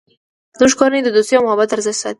زموږ کورنۍ د دوستۍ او محبت ارزښت ساتی